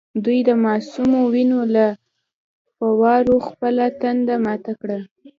دوی د معصومو وینو له فووارو خپله تنده ماته کړه.